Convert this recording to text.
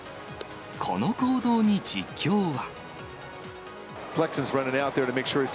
この行動に実況は。